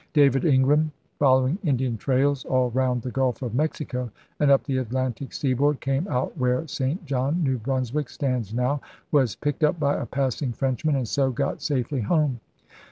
David Ingram, fol lowing Indian trails all round the Gulf of Mexico and up the Atlantic seaboard, came out where St. John, New Brunswick, stands now, was picked up by a passing Frenchman, and so got safely home.